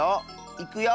いくよ。